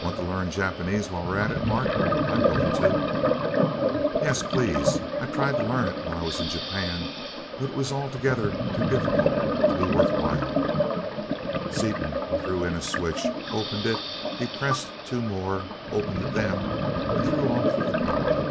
"Want to learn Japanese while we're at it, Mart? I'm going to." "Yes, please. I tried to learn it while I was in Japan, but it was altogether too difficult to be worth while." Seaton threw in a switch, opened it, depressed two more, opened them, and threw off the power.